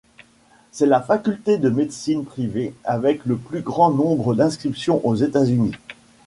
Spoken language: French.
C’est la faculté de médecine privée avec le plus grand nombre d’inscription aux États-Unis.